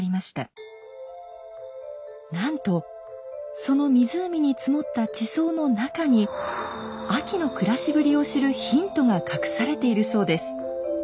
なんとその湖に積もった地層の中にあきの暮らしぶりを知るヒントが隠されているそうです。